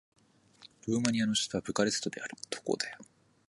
ルーマニアの首都はブカレストである